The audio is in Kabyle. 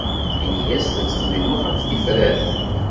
Ini-as la ttxemmimeɣ ɣef tifrat.